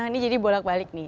ini jadi bolak balik nih